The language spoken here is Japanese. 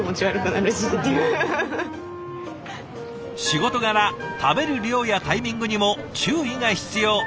仕事柄食べる量やタイミングにも注意が必要。